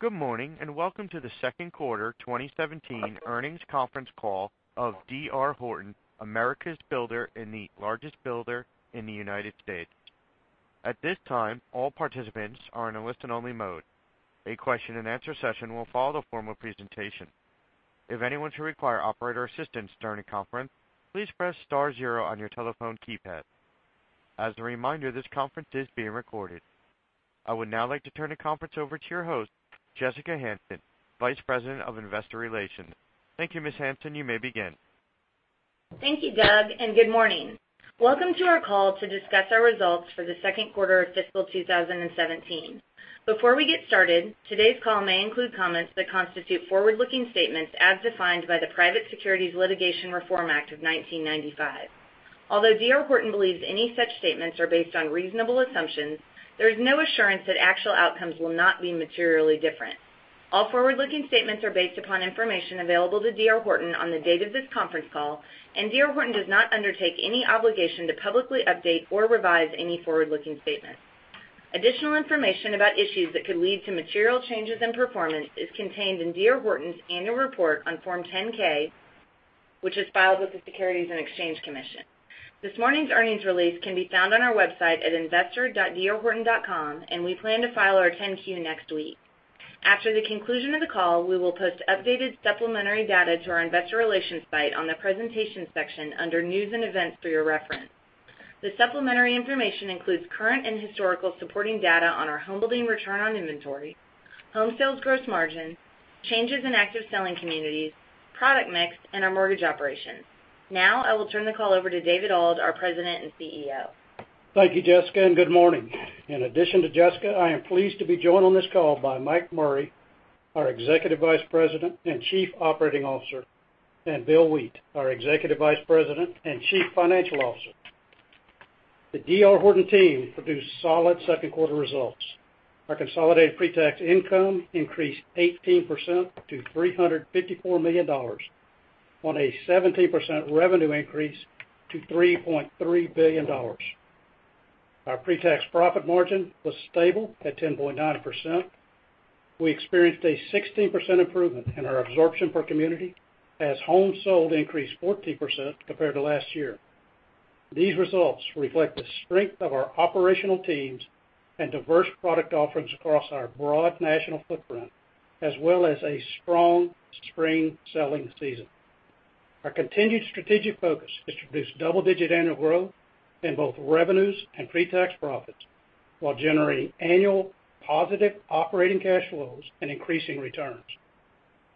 Good morning, and welcome to the second quarter 2017 earnings conference call of D.R. Horton, America's builder and the largest builder in the United States. At this time, all participants are in a listen-only mode. A question and answer session will follow the formal presentation. If anyone should require operator assistance during the conference, please press star zero on your telephone keypad. As a reminder, this conference is being recorded. I would now like to turn the conference over to your host, Jessica Hansen, Vice President of Investor Relations. Thank you, Ms. Hansen. You may begin. Thank you, Doug, and good morning. Welcome to our call to discuss our results for the second quarter of fiscal 2017. Before we get started, today's call may include comments that constitute forward-looking statements as defined by the Private Securities Litigation Reform Act of 1995. Although D.R. Horton believes any such statements are based on reasonable assumptions, there is no assurance that actual outcomes will not be materially different. All forward-looking statements are based upon information available to D.R. Horton on the date of this conference call, and D.R. Horton does not undertake any obligation to publicly update or revise any forward-looking statements. Additional information about issues that could lead to material changes in performance is contained in D.R. Horton's annual report on Form 10-K, which is filed with the Securities and Exchange Commission. This morning's earnings release can be found on our website at investor.drhorton.com, and we plan to file our 10-Q next week. After the conclusion of the call, we will post updated supplementary data to our investor relations site on the presentations section under news and events for your reference. The supplementary information includes current and historical supporting data on our homebuilding return on inventory, home sales gross margin, changes in active selling communities, product mix, and our mortgage operations. Now, I will turn the call over to David Auld, our President and CEO. Thank you, Jessica, and good morning. In addition to Jessica, I am pleased to be joined on this call by Mike Murray, our Executive Vice President and Chief Operating Officer, and Bill Wheat, our Executive Vice President and Chief Financial Officer. The D.R. Horton team produced solid second quarter results. Our consolidated pre-tax income increased 18% to $354 million on a 17% revenue increase to $3.3 billion. Our pre-tax profit margin was stable at 10.9%. We experienced a 16% improvement in our absorption per community as home sales increased 14% compared to last year. These results reflect the strength of our operational teams and diverse product offerings across our broad national footprint, as well as a strong spring selling season. Our continued strategic focus is to produce double-digit annual growth in both revenues and pre-tax profits while generating annual positive operating cash flows and increasing returns.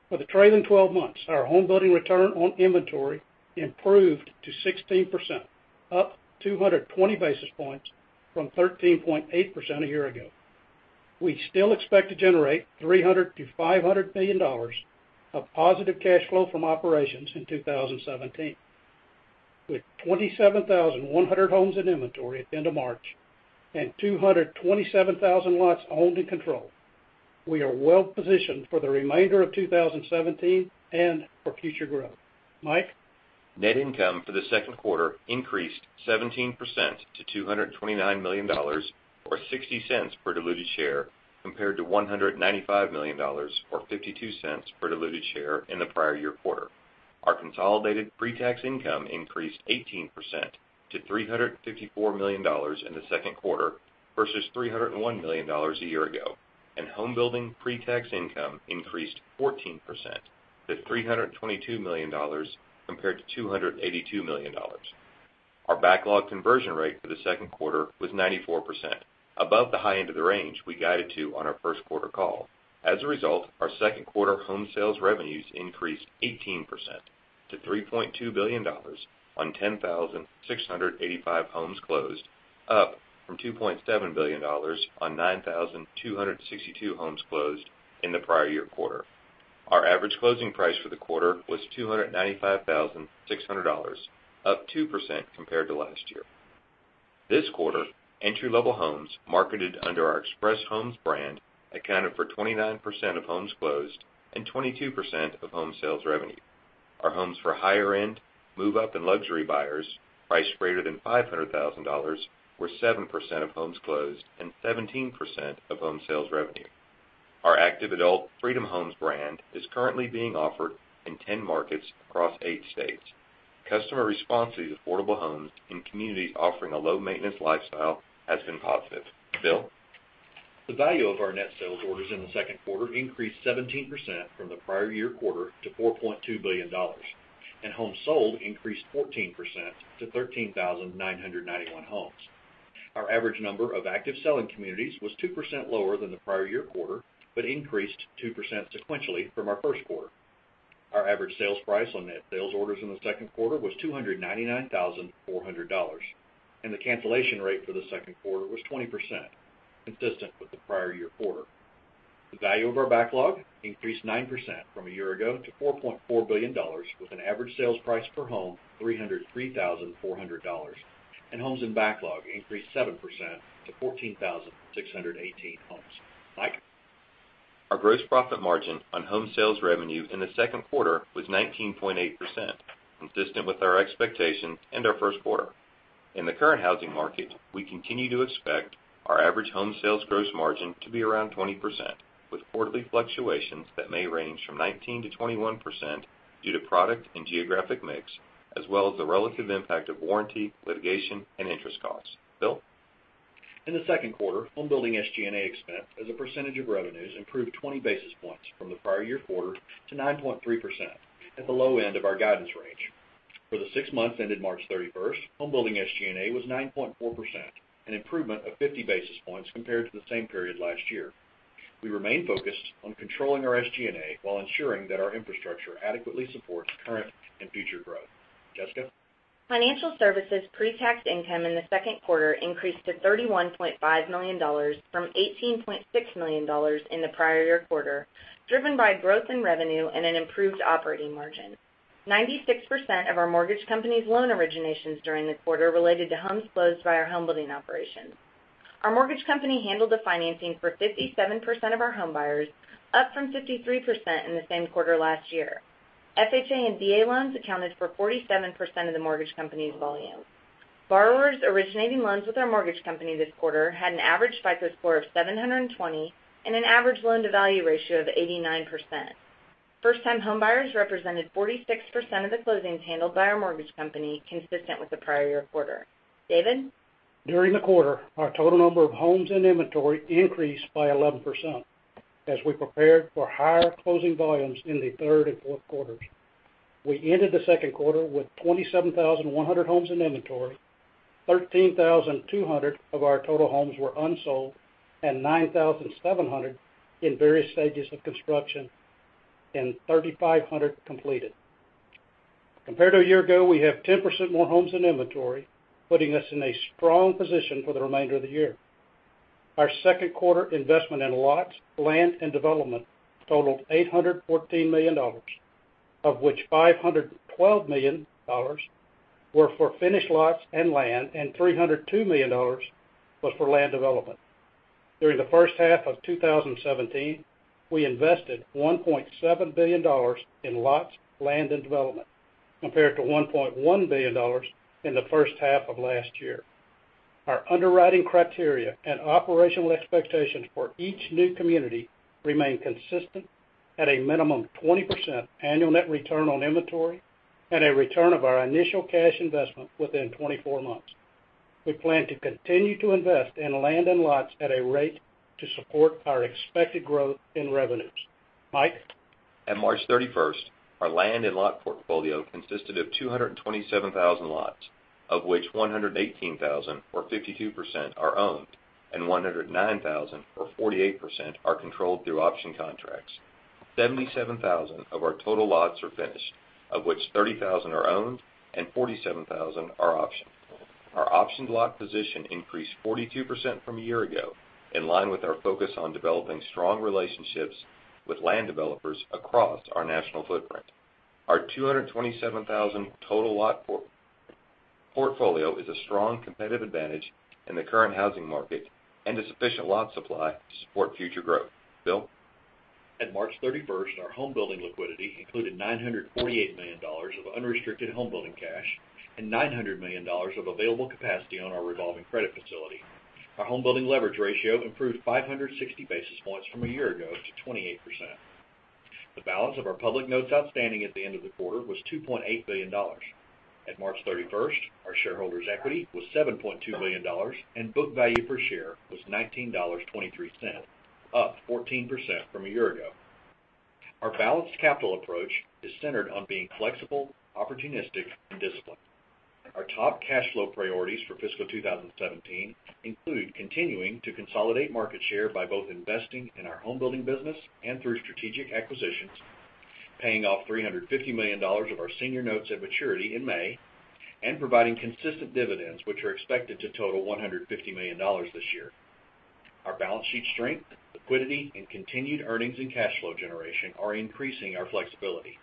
For the trailing 12 months, our homebuilding return on inventory improved to 16%, up 220 basis points from 13.8% a year ago. We still expect to generate $300 million to $500 million of positive cash flow from operations in 2017. With 27,100 homes in inventory at the end of March and 227,000 lots owned and controlled, we are well-positioned for the remainder of 2017 and for future growth. Mike? Net income for the second quarter increased 17% to $229 million, or $0.60 per diluted share, compared to $195 million, or $0.52 per diluted share in the prior year quarter. Our consolidated pre-tax income increased 18% to $354 million in the second quarter versus $301 million a year ago. Homebuilding pre-tax income increased 14% to $322 million compared to $282 million. Our backlog conversion rate for the second quarter was 94%, above the high end of the range we guided to on our first quarter call. As a result, our second quarter home sales revenues increased 18% to $3.2 billion on 10,685 homes closed, up from $2.7 billion on 9,262 homes closed in the prior year quarter. Our average closing price for the quarter was $295,600, up 2% compared to last year. This quarter, entry-level homes marketed under our Express Homes brand accounted for 29% of homes closed and 22% of home sales revenue. Our homes for higher-end, move-up, and luxury buyers priced greater than $500,000 were 7% of homes closed and 17% of home sales revenue. Our active adult Freedom Homes brand is currently being offered in 10 markets across eight states. Customer response to these affordable homes in communities offering a low-maintenance lifestyle has been positive. Bill? The value of our net sales orders in the second quarter increased 17% from the prior year quarter to $4.2 billion. Homes sold increased 14% to 13,991 homes. Our average number of active selling communities was 2% lower than the prior year quarter, increased 2% sequentially from our first quarter. Our average sales price on net sales orders in the second quarter was $299,400. The cancellation rate for the second quarter was 20%, consistent with the prior year quarter. The value of our backlog increased 9% from a year ago to $4.4 billion, with an average sales price per home $303,400. Homes in backlog increased 7% to 14,618 homes. Mike? Our gross profit margin on home sales revenue in the second quarter was 19.8%, consistent with our expectation and our first quarter. In the current housing market, we continue to expect our average home sales gross margin to be around 20%, with quarterly fluctuations that may range from 19%-21% due to product and geographic mix, as well as the relative impact of warranty, litigation, and interest costs. Bill? In the second quarter, home building SG&A expense as a percentage of revenues improved 20 basis points from the prior year quarter to 9.3%, at the low end of our guidance range. For the six months ended March 31st, home building SG&A was 9.4%, an improvement of 50 basis points compared to the same period last year. We remain focused on controlling our SG&A while ensuring that our infrastructure adequately supports current and future growth. Jessica? Financial services pre-tax income in the second quarter increased to $31.5 million from $18.6 million in the prior year quarter, driven by growth in revenue and an improved operating margin. 96% of our mortgage company's loan originations during the quarter related to homes closed by our home building operation. Our mortgage company handled the financing for 57% of our home buyers, up from 53% in the same quarter last year. FHA and VA loans accounted for 47% of the mortgage company's volume. Borrowers originating loans with our mortgage company this quarter had an average FICO score of 720 and an average loan-to-value ratio of 89%. First-time homebuyers represented 46% of the closings handled by our mortgage company, consistent with the prior year quarter. David? During the quarter, our total number of homes in inventory increased by 11%, as we prepared for higher closing volumes in the third and fourth quarters. We ended the second quarter with 27,100 homes in inventory, 13,200 of our total homes were unsold, and 9,700 in various stages of construction, and 3,500 completed. Compared to a year ago, we have 10% more homes in inventory, putting us in a strong position for the remainder of the year. Our second quarter investment in lots, land, and development totaled $814 million, of which $512 million were for finished lots and land, and $302 million was for land development. During the first half of 2017, we invested $1.7 billion in lots, land, and development, compared to $1.1 billion in the first half of last year. Our underwriting criteria and operational expectations for each new community remain consistent at a minimum 20% annual net return on inventory and a return of our initial cash investment within 24 months. We plan to continue to invest in land and lots at a rate to support our expected growth in revenues. Mike? At March 31st, our land and lot portfolio consisted of 227,000 lots, of which 118,000, or 52%, are owned, and 109,000, or 48%, are controlled through option contracts. 77,000 of our total lots are finished, of which 30,000 are owned and 47,000 are optioned. Our optioned lot position increased 42% from a year ago, in line with our focus on developing strong relationships with land developers across our national footprint. Our 227,000 total lot portfolio is a strong competitive advantage in the current housing market and a sufficient lot supply to support future growth. Bill? At March 31st, our home building liquidity included $948 million of unrestricted home building cash and $900 million of available capacity on our revolving credit facility. Our home building leverage ratio improved 560 basis points from a year ago to 28%. The balance of our public notes outstanding at the end of the quarter was $2.8 billion. At March 31st, our shareholders' equity was $7.2 billion, and book value per share was $19.23, up 14% from a year ago. Our balanced capital approach is centered on being flexible, opportunistic, and disciplined. Our top cash flow priorities for fiscal 2017 include continuing to consolidate market share by both investing in our home building business and through strategic acquisitions, paying off $350 million of our senior notes at maturity in May, and providing consistent dividends, which are expected to total $150 million this year. Our balance sheet strength, liquidity, and continued earnings and cash flow generation are increasing our flexibility,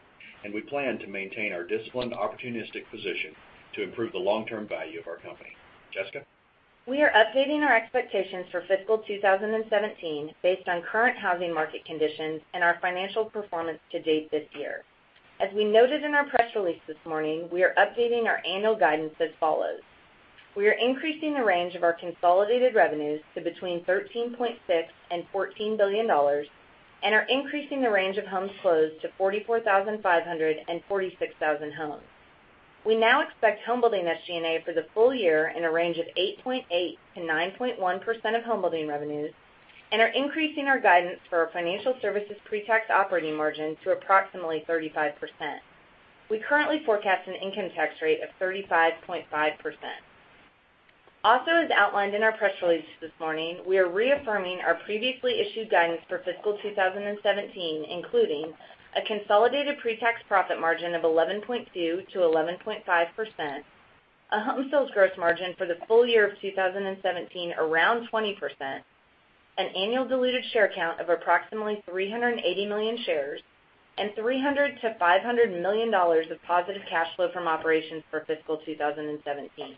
and we plan to maintain our disciplined, opportunistic position to improve the long-term value of our company. Jessica? We are updating our expectations for fiscal 2017 based on current housing market conditions and our financial performance to date this year. As we noted in our press release this morning, we are updating our annual guidance as follows. We are increasing the range of our consolidated revenues to between $13.6 billion and $14 billion and are increasing the range of homes closed to 44,500 and 46,000 homes. We now expect homebuilding SG&A for the full year in a range of 8.8% to 9.1% of homebuilding revenues and are increasing our guidance for our financial services pre-tax operating margin to approximately 35%. We currently forecast an income tax rate of 35.5%. As outlined in our press release this morning, we are reaffirming our previously issued guidance for fiscal 2017, including a consolidated pre-tax profit margin of 11.2% to 11.5%, a home sales gross margin for the full year of 2017 around 20%, an annual diluted share count of approximately 380 million shares, and $300 million to $500 million of positive cash flow from operations for fiscal 2017.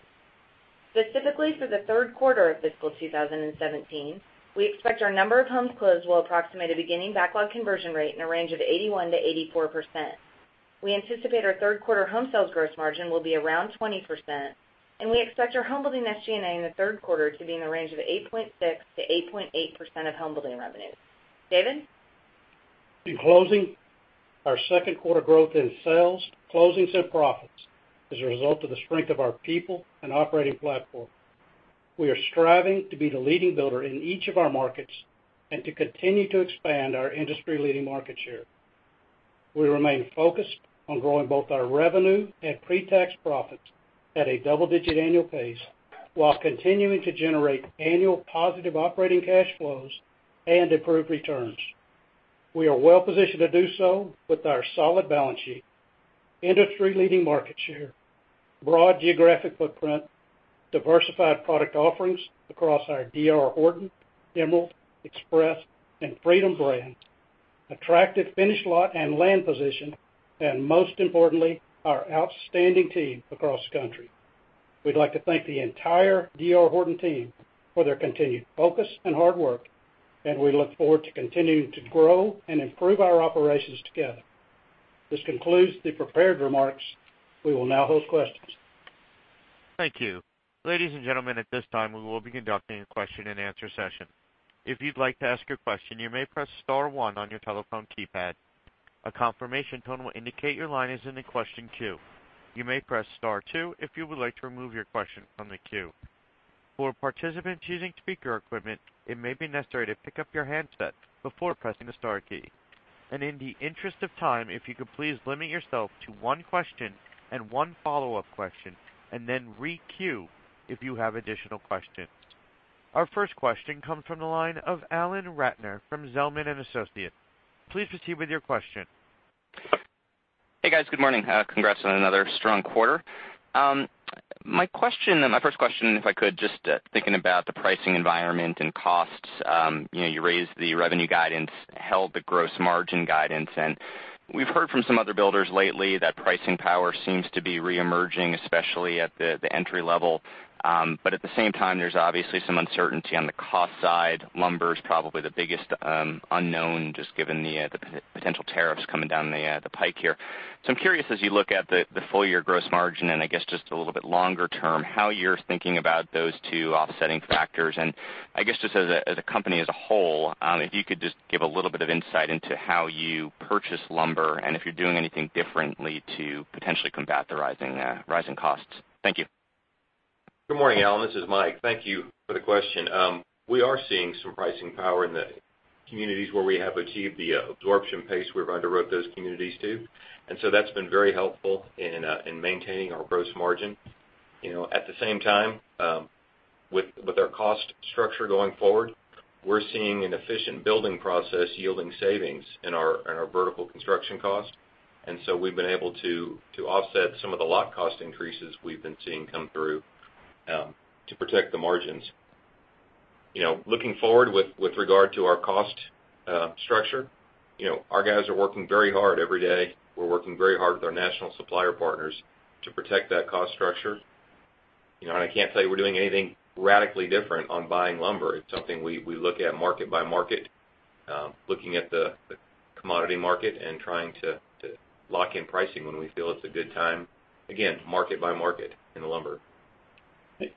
Specifically for the third quarter of fiscal 2017, we expect our number of homes closed will approximate a beginning backlog conversion rate in a range of 81% to 84%. We anticipate our third quarter home sales gross margin will be around 20%, and we expect our homebuilding SG&A in the third quarter to be in the range of 8.6% to 8.8% of homebuilding revenue. David? In closing, our second quarter growth in sales, closings, and profits is a result of the strength of our people and operating platform. We are striving to be the leading builder in each of our markets and to continue to expand our industry-leading market share. We remain focused on growing both our revenue and pre-tax profits at a double-digit annual pace while continuing to generate annual positive operating cash flows and improved returns. We are well-positioned to do so with our solid balance sheet, industry-leading market share, broad geographic footprint, diversified product offerings across our D.R. Horton, Emerald, Express, and Freedom brands, attractive finished lot and land position, and most importantly, our outstanding team across the country. We'd like to thank the entire D.R. Horton team for their continued focus and hard work, and we look forward to continuing to grow and improve our operations together. This concludes the prepared remarks. We will now hold questions. Thank you. Ladies and gentlemen, at this time, we will be conducting a question and answer session. If you'd like to ask a question, you may press star one on your telephone keypad. A confirmation tone will indicate your line is in the question queue. You may press star two if you would like to remove your question from the queue. For participants using speaker equipment, it may be necessary to pick up your handset before pressing the star key. In the interest of time, if you could please limit yourself to one question and one follow-up question, then re-queue if you have additional questions. Our first question comes from the line of Alan Ratner from Zelman & Associates. Please proceed with your question. Hey, guys. Good morning. Congrats on another strong quarter. My first question, if I could, just thinking about the pricing environment and costs. You raised the revenue guidance, held the gross margin guidance. We've heard from some other builders lately that pricing power seems to be re-emerging, especially at the entry-level. At the same time, there's obviously some uncertainty on the cost side. Lumber is probably the biggest unknown, just given the potential tariffs coming down the pike here. I'm curious, as you look at the full-year gross margin, and I guess just a little bit longer term, how you're thinking about those two offsetting factors. I guess, just as a company as a whole, if you could just give a little bit of insight into how you purchase lumber and if you're doing anything differently to potentially combat the rising costs. Thank you. Good morning, Alan. This is Mike. Thank you for the question. We are seeing some pricing power in the communities where we have achieved the absorption pace we've underwrote those communities to. That's been very helpful in maintaining our gross margin. At the same time, with our cost structure going forward, we're seeing an efficient building process yielding savings in our vertical construction cost. We've been able to offset some of the lot cost increases we've been seeing come through to protect the margins. Looking forward with regard to our cost structure, our guys are working very hard every day. We're working very hard with our national supplier partners to protect that cost structure. I can't tell you we're doing anything radically different on buying lumber. It's something we look at market by market, looking at the commodity market and trying to lock in pricing when we feel it's a good time, again, market by market in the lumber.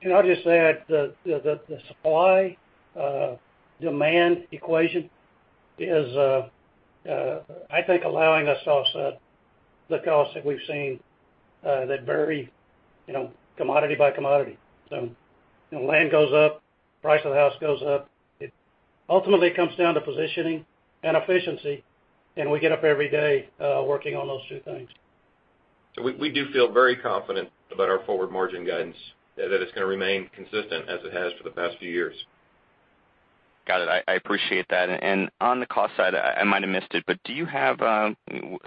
Can I just add that the supply-demand equation is, I think, allowing us to offset the costs that we've seen that vary commodity by commodity. Land goes up, price of the house goes up. It ultimately comes down to positioning and efficiency, and we get up every day working on those two things. We do feel very confident about our forward margin guidance, that it's going to remain consistent as it has for the past few years. Got it. I appreciate that. On the cost side, I might have missed it, but do you have,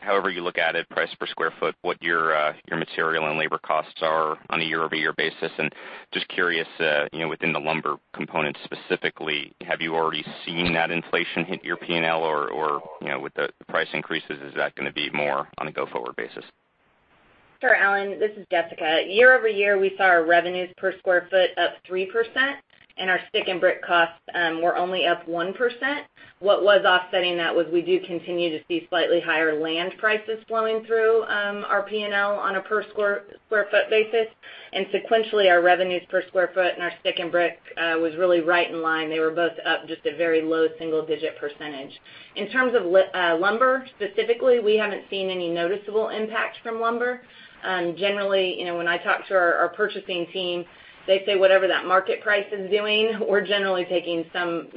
however you look at it, price per square foot, what your material and labor costs are on a year-over-year basis? Just curious, within the lumber component specifically, have you already seen that inflation hit your P&L? Or with the price increases, is that going to be more on a go-forward basis? Sure, Alan. This is Jessica. Year-over-year, we saw our revenues per square foot up 3%, and our stick and brick costs were only up 1%. What was offsetting that was we do continue to see slightly higher land prices flowing through our P&L on a per square foot basis. Sequentially, our revenues per square foot and our stick and brick was really right in line. They were both up just a very low single-digit percentage. In terms of lumber specifically, we haven't seen any noticeable impact from lumber. Generally, when I talk to our purchasing team, they say whatever that market price is doing, we're generally taking some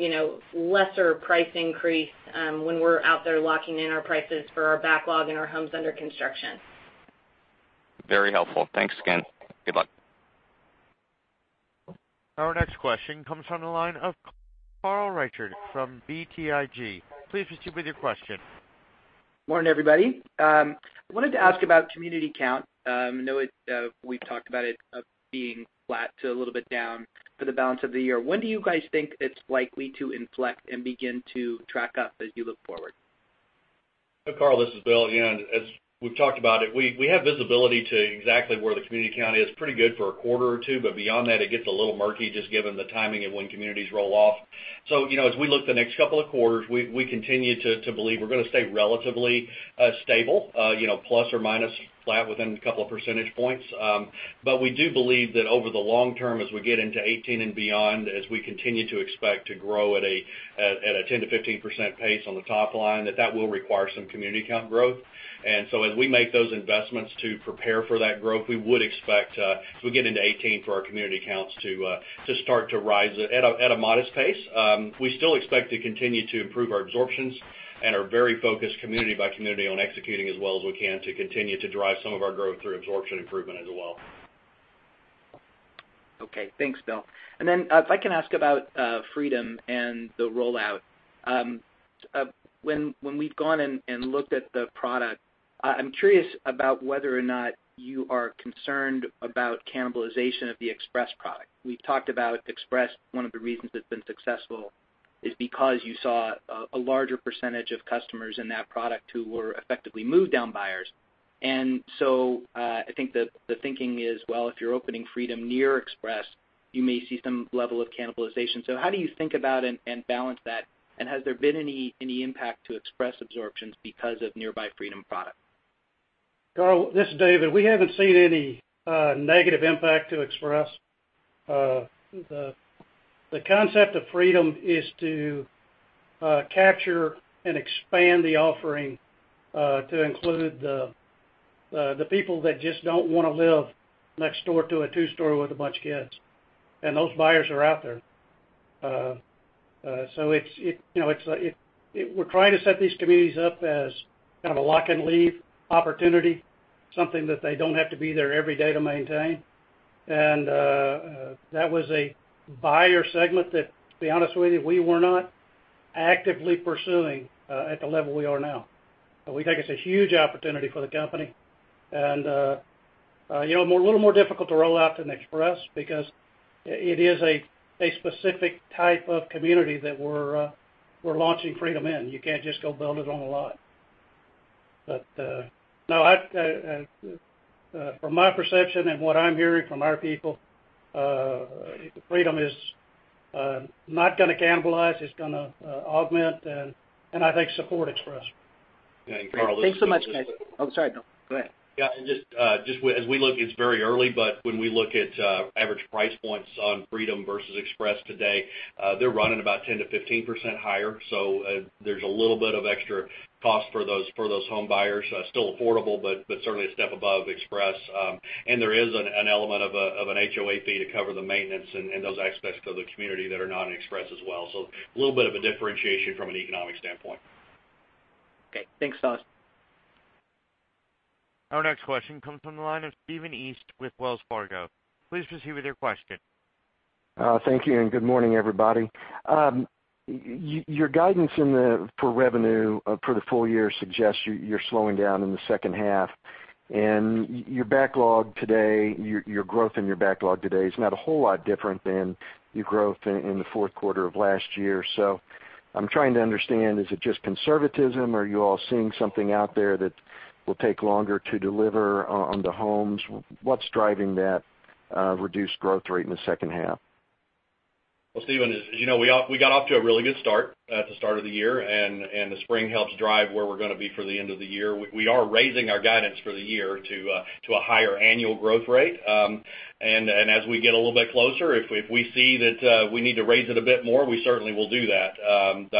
lesser price increase when we're out there locking in our prices for our backlog and our homes under construction. Very helpful. Thanks again. Good luck. Our next question comes from the line of Carl Reichardt from BTIG. Please proceed with your question. Morning, everybody. I wanted to ask about community count. I know we've talked about it being flat to a little bit down for the balance of the year. When do you guys think it's likely to inflect and begin to track up as you look forward? Carl, this is Bill. As we've talked about it, we have visibility to exactly where the community count is. Pretty good for a quarter or two. Beyond that, it gets a little murky just given the timing of when communities roll off. As we look the next couple of quarters, we continue to believe we're going to stay relatively stable, plus or minus flat within a couple of percentage points. We do believe that over the long term, as we get into 2018 and beyond, as we continue to expect to grow at a 10%-15% pace on the top line, that that will require some community count growth. As we make those investments to prepare for that growth, we would expect as we get into 2018 for our community counts to start to rise at a modest pace. We still expect to continue to improve our absorptions and are very focused community by community on executing as well as we can to continue to drive some of our growth through absorption improvement as well. Okay. Thanks, Bill. Then if I can ask about Freedom and the rollout. When we've gone and looked at the product, I'm curious about whether or not you are concerned about cannibalization of the Express product. We've talked about Express, one of the reasons it's been successful is because you saw a larger percentage of customers in that product who were effectively move-down buyers. I think the thinking is, well, if you're opening Freedom near Express, you may see some level of cannibalization. How do you think about and balance that? Has there been any impact to Express absorptions because of nearby Freedom product? Carl, this is David. We haven't seen any negative impact to Express. The concept of Freedom is to capture and expand the offering to include the people that just don't want to live next door to a two-story with a bunch of kids. Those buyers are out there. We're trying to set these communities up as kind of a lock and leave opportunity, something that they don't have to be there every day to maintain. That was a buyer segment that, to be honest with you, we were not actively pursuing at the level we are now. We think it's a huge opportunity for the company. A little more difficult to roll out than Express because it is a specific type of community that we're launching Freedom in. You can't just go build it on a lot. From my perception and what I'm hearing from our people, Freedom is not going to cannibalize, it's going to augment and I think support Express. Thanks so much, guys. Sorry, Bill. Go ahead. Yeah. Just as we look, it's very early, but when we look at average price points on Freedom versus Express today, they're running about 10%-15% higher. There's a little bit of extra cost for those home buyers. Still affordable, but certainly a step above Express. There is an element of an HOA fee to cover the maintenance and those aspects of the community that are not in Express as well. A little bit of a differentiation from an economic standpoint. Okay, thanks. Our next question comes from the line of Stephen East with Wells Fargo. Please proceed with your question. Thank you, and good morning, everybody. Your guidance for revenue for the full year suggests you're slowing down in the second half. Your backlog today, your growth in your backlog today is not a whole lot different than your growth in the fourth quarter of last year. I'm trying to understand, is it just conservatism? Are you all seeing something out there that will take longer to deliver on the homes? What's driving that reduced growth rate in the second half? Well, Stephen, as you know, we got off to a really good start at the start of the year, and the spring helps drive where we're going to be for the end of the year. We are raising our guidance for the year to a higher annual growth rate. As we get a little bit closer, if we see that we need to raise it a bit more, we certainly will do that.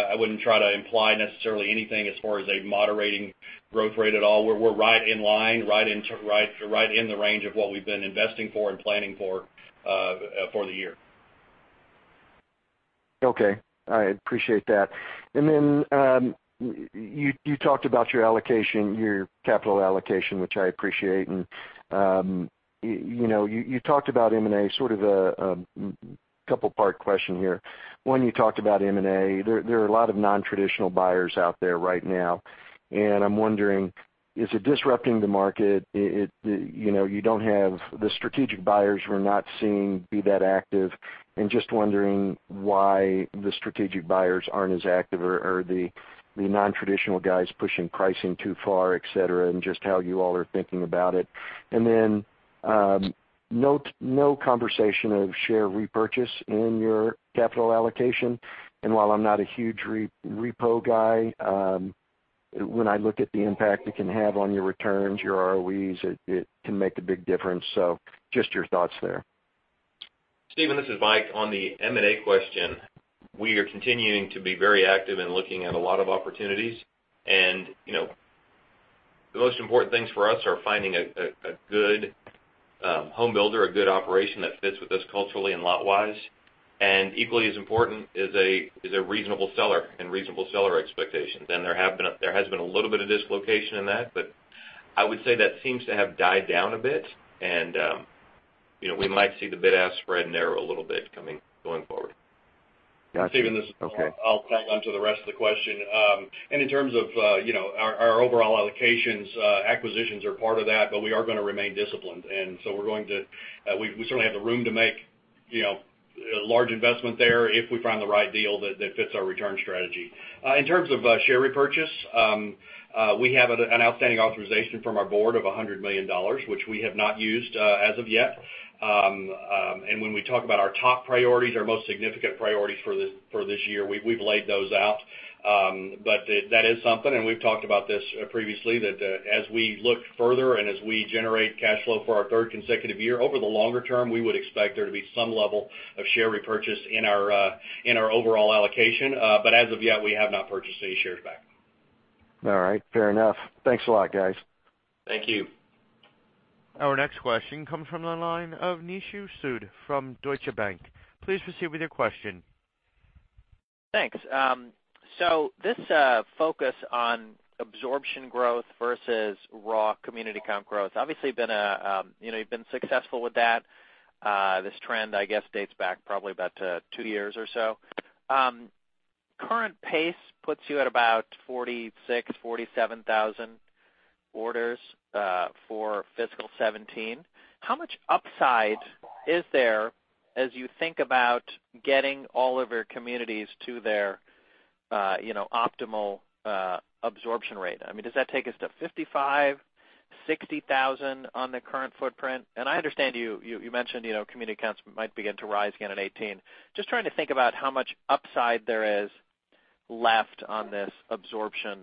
I wouldn't try to imply necessarily anything as far as a moderating growth rate at all. We're right in line, right in the range of what we've been investing for and planning for the year. Okay. I appreciate that. You talked about your capital allocation, which I appreciate. You talked about M&A, sort of a couple part question here. One, you talked about M&A. There are a lot of non-traditional buyers out there right now, and I'm wondering, is it disrupting the market? The strategic buyers we're not seeing be that active, and just wondering why the strategic buyers aren't as active or are the non-traditional guys pushing pricing too far, et cetera, and just how you all are thinking about it. No conversation of share repurchase in your capital allocation. While I'm not a huge repo guy, when I look at the impact it can have on your returns, your ROEs, it can make a big difference. Just your thoughts there. Stephen, this is Mike. On the M&A question, we are continuing to be very active in looking at a lot of opportunities. The most important things for us are finding a good home builder, a good operation that fits with us culturally and lot-wise. Equally as important is a reasonable seller and reasonable seller expectations. There has been a little bit of dislocation in that, I would say that seems to have died down a bit. We might see the bid-ask spread narrow a little bit going forward. Got you. Okay. Stephen, I'll tag on to the rest of the question. In terms of our overall allocations, acquisitions are part of that, but we are going to remain disciplined. We certainly have the room to make A large investment there if we find the right deal that fits our return strategy. In terms of share repurchase, we have an outstanding authorization from our board of $100 million, which we have not used as of yet. When we talk about our top priorities, our most significant priorities for this year, we've laid those out. That is something, and we've talked about this previously, that as we look further and as we generate cash flow for our third consecutive year, over the longer term, we would expect there to be some level of share repurchase in our overall allocation. As of yet, we have not purchased any shares back. All right. Fair enough. Thanks a lot, guys. Thank you. Our next question comes from the line of Nishu Sood from Deutsche Bank. Please proceed with your question. Thanks. This focus on absorption growth versus raw community count growth, obviously, you've been successful with that. This trend, I guess, dates back probably about two years or so. Current pace puts you at about 46,000, 47,000 orders for fiscal 2017. How much upside is there as you think about getting all of your communities to their optimal absorption rate? I mean, does that take us to 55,000, 60,000 on the current footprint? I understand you mentioned community counts might begin to rise again in 2018. Just trying to think about how much upside there is left on this absorption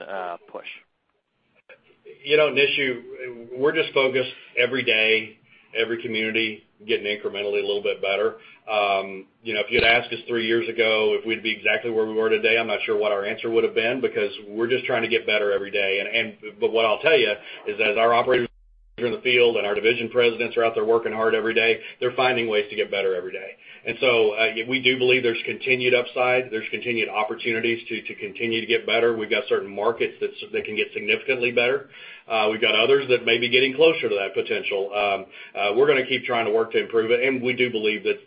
push. Nishu, we're just focused every day, every community, getting incrementally a little bit better. If you'd asked us three years ago if we'd be exactly where we were today, I'm not sure what our answer would've been, because we're just trying to get better every day. What I'll tell you is as our operators are in the field and our division presidents are out there working hard every day, they're finding ways to get better every day. We do believe there's continued upside, there's continued opportunities to continue to get better. We've got certain markets that can get significantly better. We've got others that may be getting closer to that potential. We're going to keep trying to work to improve it, and we do believe that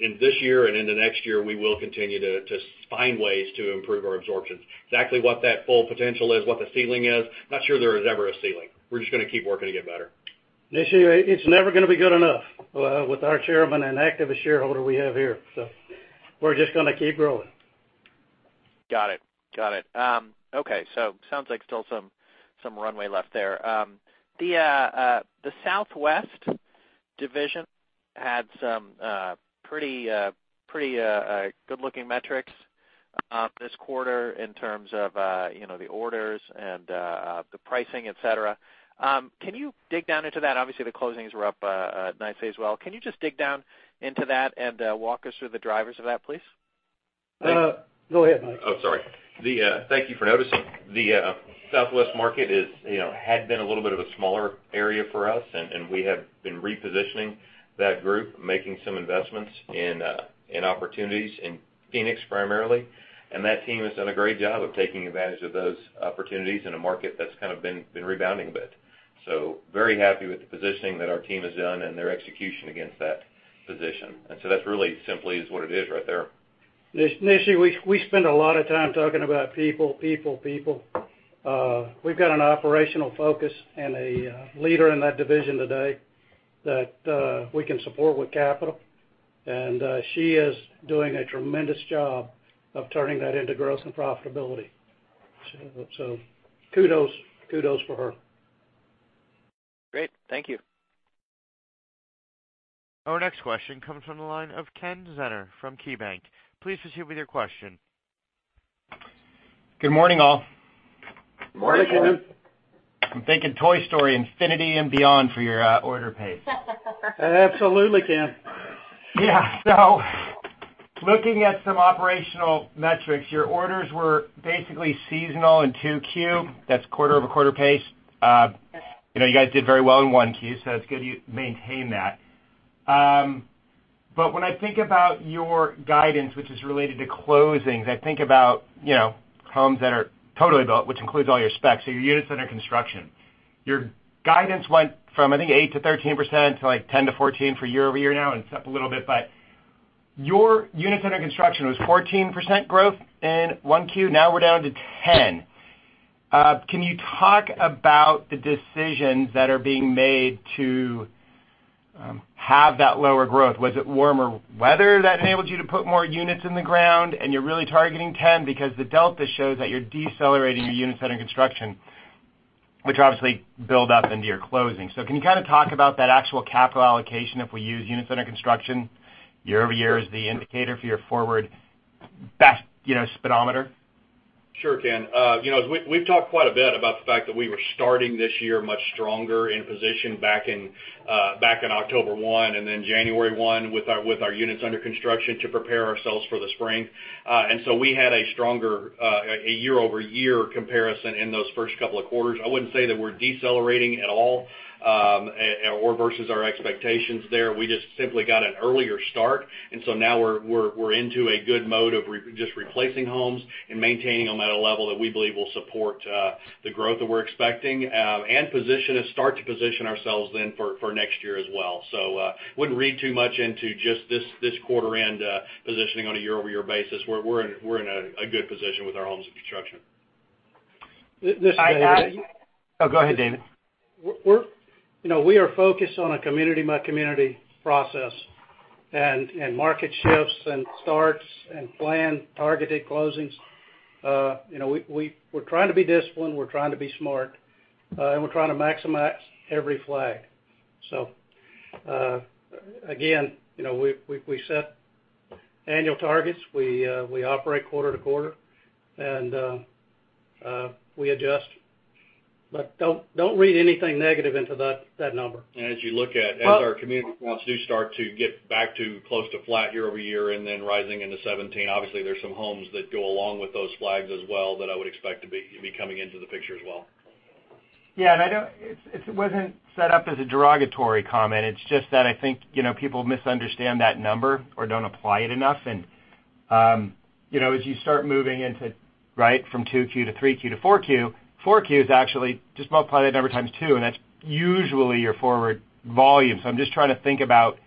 in this year and into next year, we will continue to find ways to improve our absorptions. Exactly what that full potential is, what the ceiling is, not sure there is ever a ceiling. We're just going to keep working to get better. Nishu, it's never going to be good enough with our chairman and activist shareholder we have here. We're just going to keep growing. Got it. Okay. Sounds like still some runway left there. The Southwest division had some pretty good-looking metrics this quarter in terms of the orders and the pricing, et cetera. Can you dig down into that? Obviously, the closings were up nicely as well. Can you just dig down into that and walk us through the drivers of that, please? Go ahead, Mike. Oh, sorry. Thank you for noticing. The Southwest market had been a little bit of a smaller area for us, and we have been repositioning that group, making some investments in opportunities in Phoenix primarily. That team has done a great job of taking advantage of those opportunities in a market that's kind of been rebounding a bit. Very happy with the positioning that our team has done and their execution against that position. That's really simply is what it is right there. Nishu, we spend a lot of time talking about people. We've got an operational focus and a leader in that division today that we can support with capital, and she is doing a tremendous job of turning that into gross and profitability. Kudos for her. Great. Thank you. Our next question comes from the line of Kenneth Zener from KeyBanc. Please proceed with your question. Good morning, all. Morning, Ken. Morning. I'm thinking "Toy Story," infinity and beyond for your order pace. Absolutely, Ken. Yeah. Looking at some operational metrics, your orders were basically seasonal in 2Q. That's quarter-over-quarter pace. You guys did very well in 1Q, it's good you maintain that. When I think about your guidance, which is related to closings, I think about homes that are totally built, which includes all your specs or your units under construction. Your guidance went from, I think, 8%-13% to 10%-14% for year-over-year now, it's up a little bit, but your units under construction was 14% growth in 1Q. We're down to 10%. Can you talk about the decisions that are being made to have that lower growth? Was it warmer weather that enabled you to put more units in the ground, and you're really targeting 10%? The delta shows that you're decelerating your units under construction, which obviously build up into your closing. Can you kind of talk about that actual capital allocation if we use units under construction year-over-year as the indicator for your forward best speedometer? Sure, Ken. We've talked quite a bit about the fact that we were starting this year much stronger in position back in October 1, January 1 with our units under construction to prepare ourselves for the spring. We had a stronger year-over-year comparison in those first couple of quarters. I wouldn't say that we're decelerating at all, or versus our expectations there. We just simply got an earlier start, now we're into a good mode of just replacing homes and maintaining them at a level that we believe will support the growth that we're expecting, start to position ourselves then for next year as well. Wouldn't read too much into just this quarter end positioning on a year-over-year basis. We're in a good position with our homes under construction. This is David. Go ahead, David. We are focused on a community-by-community process, market shifts and starts and plan targeted closings. We're trying to be disciplined, we're trying to be smart, and we're trying to maximize every flag. Again we set annual targets. We operate quarter-to-quarter, and we adjust. Don't read anything negative into that number. As you look at as our community wants to start to get back to close to flat year-over-year and then rising into 2017, obviously there's some homes that go along with those flags as well that I would expect to be coming into the picture as well. Yeah. It wasn't set up as a derogatory comment. It's just that I think, people misunderstand that number or don't apply it enough. As you start moving into from 2Q to 3Q to 4Q is actually just multiply that number times two, and that's usually your forward volume. I'm just trying to think about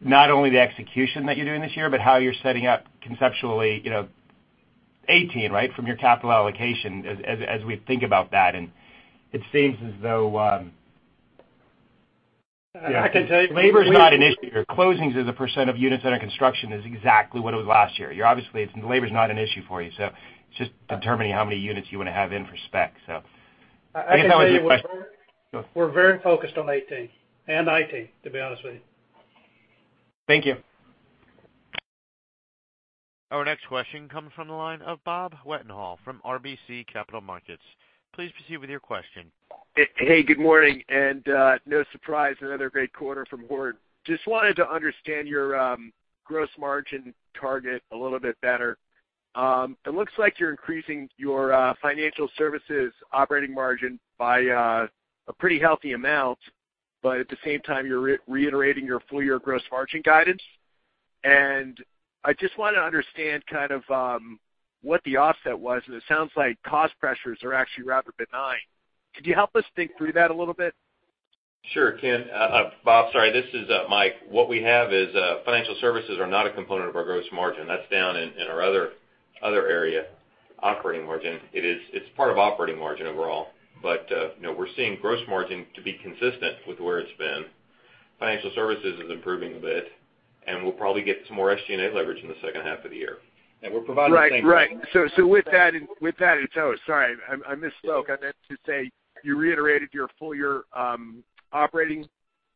not only the execution that you're doing this year, but how you're setting up conceptually 2018, from your capital allocation as we think about that. I can tell you. Labor is not an issue here. Closings as a percent of units under construction is exactly what it was last year. You're obviously, labor is not an issue for you. It's just determining how many units you want to have in for spec. I think that was your question. I can tell you we're very focused on 2018 and 2019, to be honest with you. Thank you. Our next question comes from the line of Robert Wetenhall from RBC Capital Markets. Please proceed with your question. Hey, good morning, no surprise, another great quarter from Horton. Just wanted to understand your gross margin target a little bit better. It looks like you're increasing your financial services operating margin by a pretty healthy amount, but at the same time, you're reiterating your full-year gross margin guidance. I just want to understand kind of what the offset was, and it sounds like cost pressures are actually rather benign. Could you help us think through that a little bit? Sure. Bob, this is Mike. What we have is financial services are not a component of our gross margin. That's down in our other area, operating margin. It's part of operating margin overall. We're seeing gross margin to be consistent with where it's been. Financial services is improving a bit, and we'll probably get some more SG&A leverage in the second half of the year. Right. With that in tow, sorry, I misspoke. I meant to say you reiterated your full-year operating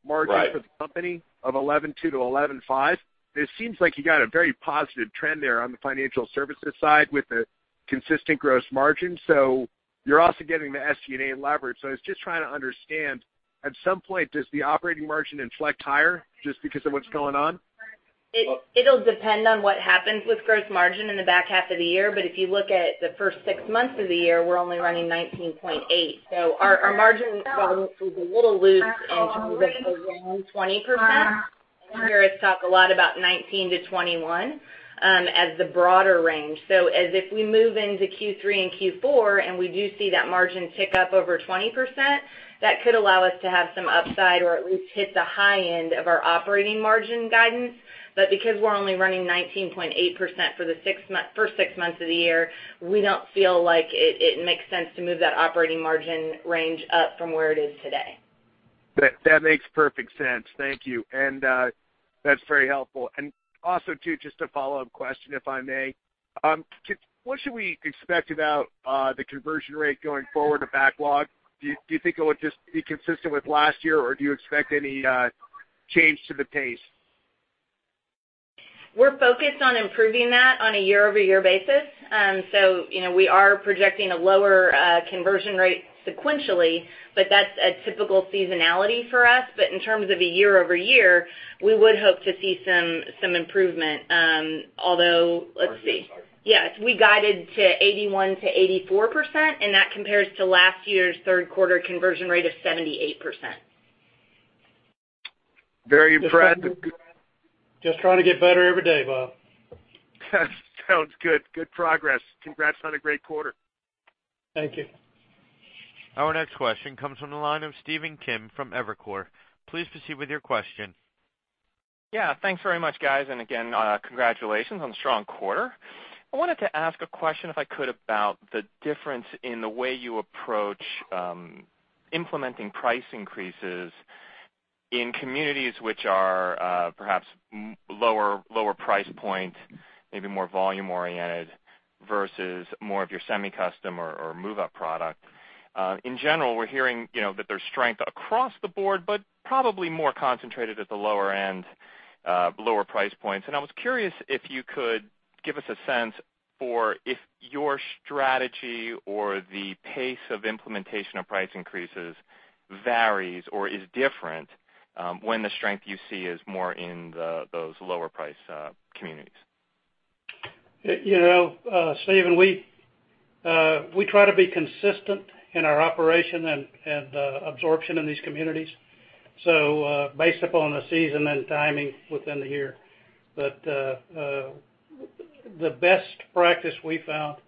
margin. Right for the company of 11.2% to 11.5%. It seems like you got a very positive trend there on the financial services side with a consistent gross margin. You're also getting the SG&A leverage. I was just trying to understand, at some point, does the operating margin inflect higher just because of what's going on? It'll depend on what happens with gross margin in the back half of the year. If you look at the first six months of the year, we're only running 19.8%. Our margin guidance is a little loose in terms of the low 20%. I hear us talk a lot about 19%-21% as the broader range. As if we move into Q3 and Q4, and we do see that margin tick up over 20%, that could allow us to have some upside or at least hit the high end of our operating margin guidance. Because we're only running 19.8% for the first six months of the year, we don't feel like it makes sense to move that operating margin range up from where it is today. That makes perfect sense. Thank you. That's very helpful. Also, too, just a follow-up question, if I may. What should we expect about the conversion rate going forward to backlog? Do you think it would just be consistent with last year, or do you expect any change to the pace? We're focused on improving that on a year-over-year basis. We are projecting a lower conversion rate sequentially, but that's a typical seasonality for us. In terms of a year-over-year, we would hope to see some improvement. Although, let's see. Sorry. Yes. We guided to 81%-84%, and that compares to last year's third quarter conversion rate of 78%. Very impressive. Just trying to get better every day, Bob. Sounds good. Good progress. Congrats on a great quarter. Thank you. Our next question comes from the line of Stephen Kim from Evercore. Please proceed with your question. Yeah. Thanks very much, guys. Again, congratulations on the strong quarter. I wanted to ask a question, if I could, about the difference in the way you approach implementing price increases in communities which are perhaps lower price point, maybe more volume-oriented, versus more of your semi-custom or move-up product. In general, we're hearing that there's strength across the board, but probably more concentrated at the lower end, lower price points. I was curious if you could give us a sense for if your strategy or the pace of implementation of price increases varies or is different when the strength you see is more in those lower price communities. Stephen, we try to be consistent in our operation and absorption in these communities. Based upon the season and timing within the year. The best practice we found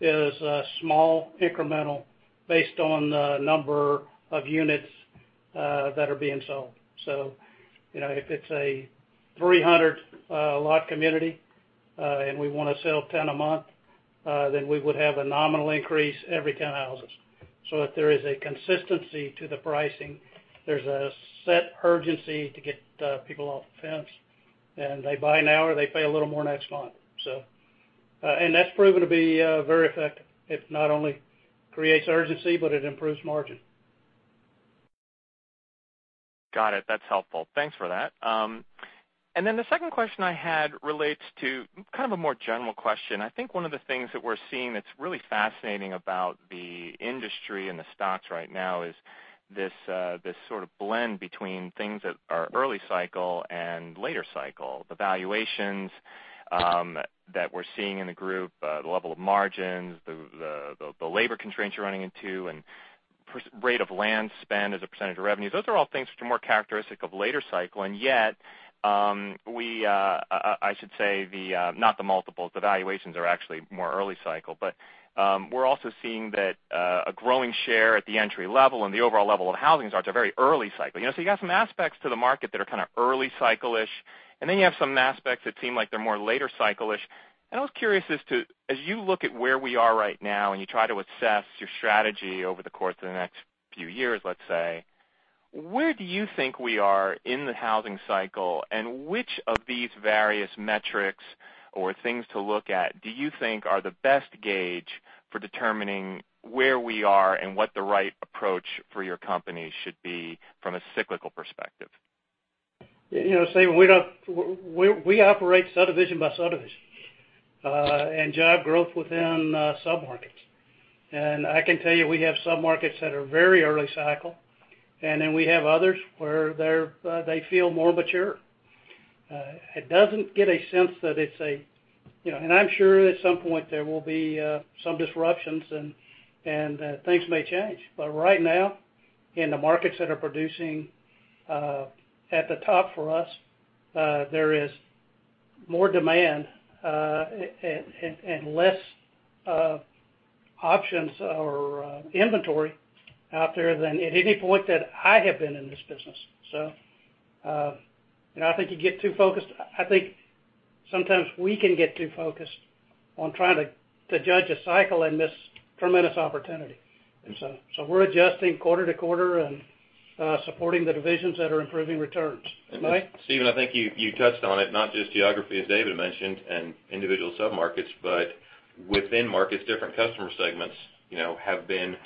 is small, incremental, based on the number of units that are being sold. If it's a 300-lot community And we want to sell 10 a month, then we would have a nominal increase every 10 houses. If there is a consistency to the pricing, there's a set urgency to get people off the fence, and they buy now, or they pay a little more next month. That's proven to be very effective. It not only creates urgency, but it improves margin. Got it. That's helpful. Thanks for that. Then the second question I had relates to kind of a more general question. I think one of the things that we're seeing that's really fascinating about the industry and the stocks right now is this sort of blend between things that are early cycle and later cycle. The valuations that we're seeing in the group, the level of margins, the labor constraints you're running into, and rate of land spend as a percentage of revenues. Those are all things which are more characteristic of later cycle, yet, I should say, not the multiples. The valuations are actually more early cycle. We're also seeing that a growing share at the entry level and the overall level of housing starts are very early cycle. You've got some aspects to the market that are kind of early cycle-ish, then you have some aspects that seem like they're more later cycle-ish. I was curious as to, as you look at where we are right now, and you try to assess your strategy over the course of the next few years, let's say, where do you think we are in the housing cycle, and which of these various metrics or things to look at do you think are the best gauge for determining where we are and what the right approach for your company should be from a cyclical perspective? Stephen, we operate subdivision by subdivision, job growth within submarkets. I can tell you, we have submarkets that are very early cycle, then we have others where they feel more mature. I'm sure at some point, there will be some disruptions, things may change. Right now, in the markets that are producing at the top for us, there is more demand and less options or inventory out there than at any point that I have been in this business. I think you get too focused. I think sometimes we can get too focused on trying to judge a cycle and miss tremendous opportunity. We're adjusting quarter to quarter and supporting the divisions that are improving returns. Mike? Stephen, I think you touched on it, not just geography, as David mentioned, individual submarkets, but within markets, different customer segments have been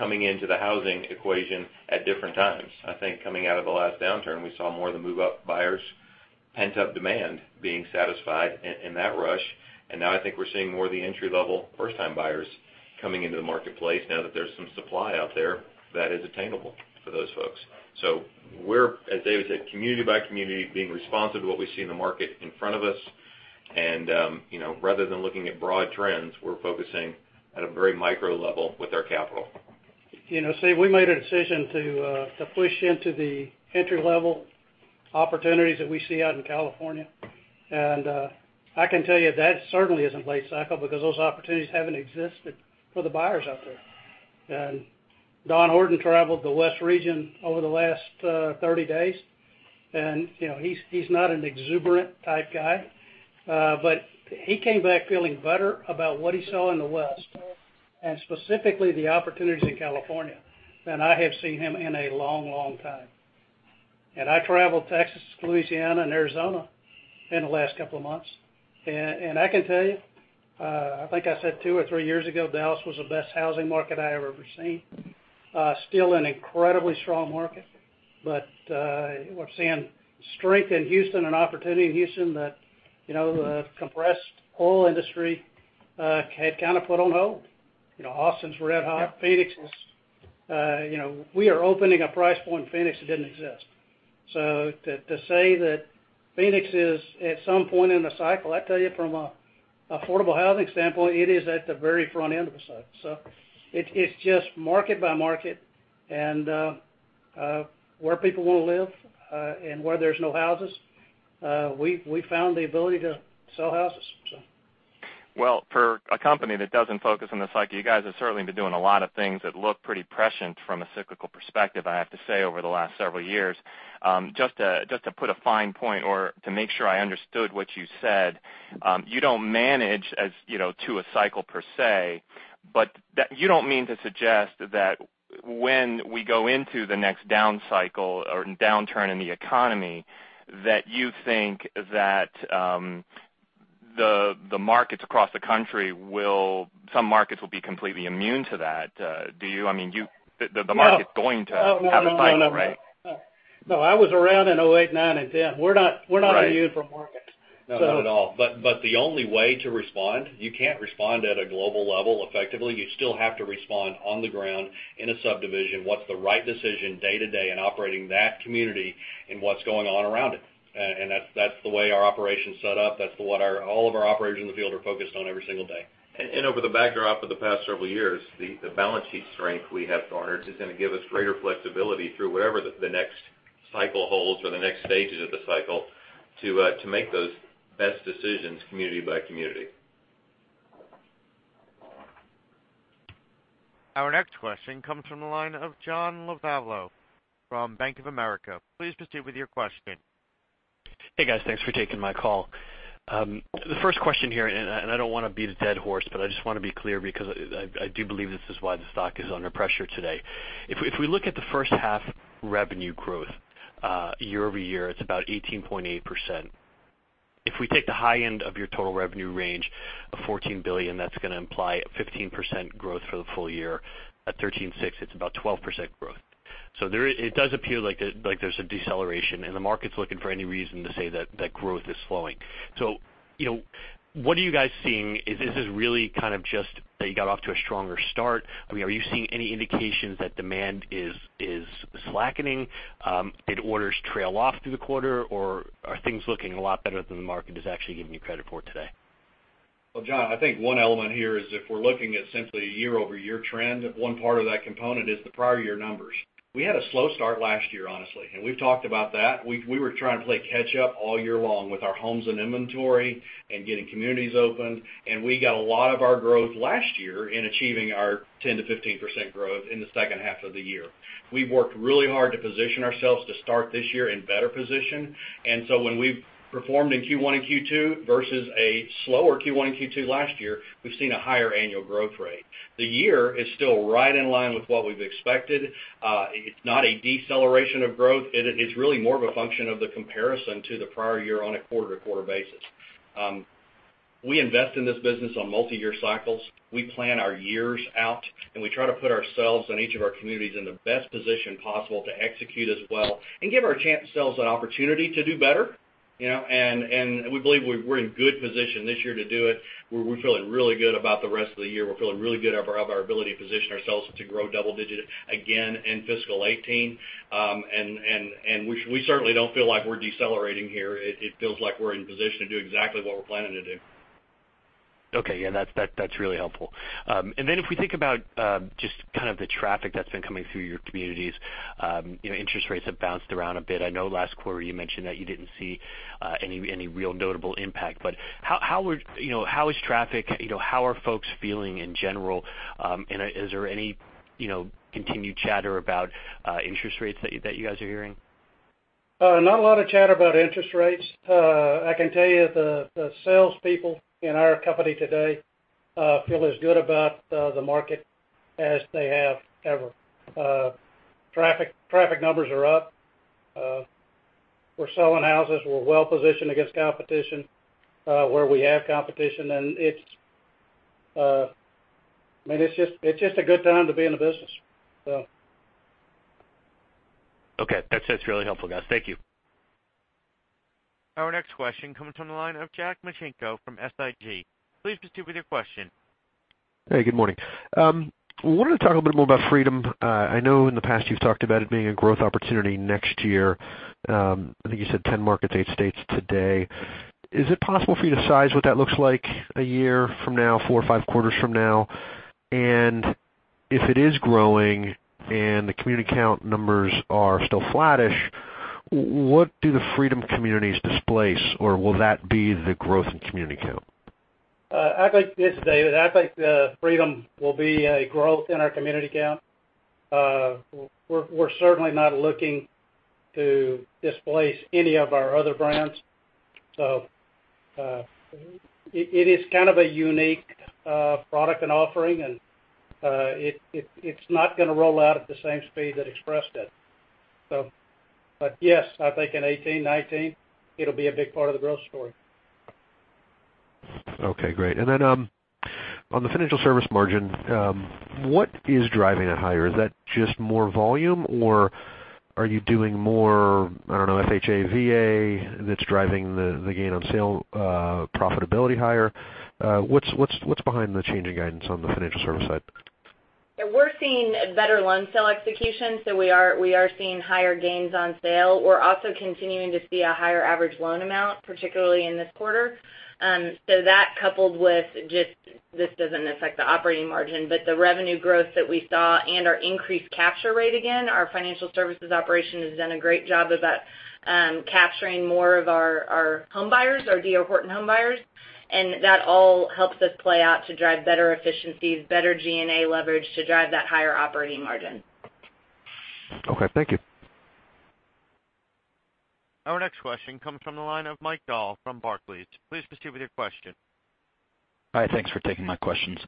coming into the housing equation at different times. I think coming out of the last downturn, we saw more of the move-up buyers' pent-up demand being satisfied in that rush. Now I think we're seeing more of the entry-level, first-time buyers coming into the marketplace now that there's some supply out there that is attainable for those folks. We're, as David said, community by community, being responsive to what we see in the market in front of us. Rather than looking at broad trends, we're focusing at a very micro level with our capital. Steve, we made a decision to push into the entry-level opportunities that we see out in California. I can tell you that certainly isn't late cycle because those opportunities haven't existed for the buyers out there. Don Horton traveled the West region over the last 30 days, and he's not an exuberant type guy. He came back feeling better about what he saw in the West, and specifically the opportunities in California, than I have seen him in a long, long time. I traveled Texas, Louisiana, and Arizona in the last couple of months. I can tell you, I think I said two or three years ago, Dallas was the best housing market I have ever seen. Still an incredibly strong market, but we're seeing strength in Houston and opportunity in Houston that the compressed oil industry had kind of put on hold. Austin's red hot. We are opening a price point in Phoenix that didn't exist. To say that Phoenix is at some point in the cycle, I tell you from an affordable housing standpoint, it is at the very front end of the cycle. It's just market by market, and where people want to live and where there's no houses, we've found the ability to sell houses. Well, for a company that doesn't focus on the cycle, you guys have certainly been doing a lot of things that look pretty prescient from a cyclical perspective, I have to say, over the last several years. Just to put a fine point or to make sure I understood what you said, you don't manage to a cycle, per se, but you don't mean to suggest that when we go into the next down cycle or downturn in the economy, that you think that the markets across the country, some markets will be completely immune to that. Do you? I mean, the market- No is going to have a cycle, right? No, I was around in 2008, 2009, and 2010. We're not immune from markets. No, not at all. The only way to respond, you can't respond at a global level effectively. You still have to respond on the ground in a subdivision. What's the right decision day to day in operating that community, and what's going on around it? That's the way our operation's set up. That's what all of our operations in the field are focused on every single day. Over the backdrop of the past several years, the balance sheet strength we have garnered is going to give us greater flexibility through whatever the next cycle holds or the next stages of the cycle to make those best decisions community by community. Our next question comes from the line of John Lovallo from Bank of America. Please proceed with your question. Hey, guys. Thanks for taking my call. The first question here, I don't want to beat a dead horse, I just want to be clear because I do believe this is why the stock is under pressure today. If we look at the first half revenue growth year-over-year, it's about 18.8%. If we take the high end of your total revenue range of $14 billion, that's going to imply a 15% growth for the full year. At $13.6 billion, it's about 12% growth. It does appear like there's a deceleration, and the market's looking for any reason to say that growth is slowing. What are you guys seeing? Is this really kind of just that you got off to a stronger start? Are you seeing any indications that demand is slackening? Did orders trail off through the quarter, or are things looking a lot better than the market is actually giving you credit for today? Well, John, I think one element here is if we're looking at simply a year-over-year trend, one part of that component is the prior year numbers. We had a slow start last year, honestly, and we've talked about that. We were trying to play catch up all year long with our homes and inventory and getting communities open. We got a lot of our growth last year in achieving our 10%-15% growth in the second half of the year. We've worked really hard to position ourselves to start this year in better position. When we've performed in Q1 and Q2 versus a slower Q1 and Q2 last year, we've seen a higher annual growth rate. The year is still right in line with what we've expected. It's not a deceleration of growth. It is really more of a function of the comparison to the prior year on a quarter-to-quarter basis. We invest in this business on multi-year cycles. We plan our years out, and we try to put ourselves and each of our communities in the best position possible to execute as well and give ourselves an opportunity to do better. We believe we're in good position this year to do it. We're feeling really good about the rest of the year. We're feeling really good about our ability to position ourselves to grow double digit again in fiscal 2018. We certainly don't feel like we're decelerating here. It feels like we're in position to do exactly what we're planning to do. Okay. Yeah, that's really helpful. If we think about just kind of the traffic that's been coming through your communities, interest rates have bounced around a bit. I know last quarter you mentioned that you didn't see any real notable impact. How is traffic, how are folks feeling in general? Is there any continued chatter about interest rates that you guys are hearing? Not a lot of chatter about interest rates. I can tell you the salespeople in our company today feel as good about the market as they have ever. Traffic numbers are up. We're selling houses. We're well positioned against competition where we have competition, and it's just a good time to be in the business. Okay. That's really helpful, guys. Thank you. Our next question comes from the line of Jack Micenko from SIG. Please proceed with your question. Hey, good morning. I wanted to talk a little bit more about Freedom. I know in the past you've talked about it being a growth opportunity next year. I think you said 10 markets, eight states today. Is it possible for you to size what that looks like a year from now, four or five quarters from now? If it is growing and the community count numbers are still flattish, what do the Freedom communities displace, or will that be the growth in community count? I think this, David, I think Freedom will be a growth in our community count. We're certainly not looking to displace any of our other brands. It is kind of a unique product and offering, and it's not going to roll out at the same speed that Express did. Yes, I think in 2018, 2019, it'll be a big part of the growth story. Okay, great. On the financial service margin, what is driving it higher? Is that just more volume, or are you doing more, I don't know, FHA, VA, that's driving the gain on sale profitability higher? What's behind the change in guidance on the financial service side? We're seeing better loan sale execution. We are seeing higher gains on sale. We're also continuing to see a higher average loan amount, particularly in this quarter. That coupled with just, this doesn't affect the operating margin, but the revenue growth that we saw and our increased capture rate again, our financial services operation has done a great job about capturing more of our homebuyers, our D.R. Horton homebuyers, and that all helps us play out to drive better efficiencies, better G&A leverage to drive that higher operating margin. Okay, thank you. Our next question comes from the line of Mike Dahl from Barclays. Please proceed with your question. Hi, thanks for taking my questions.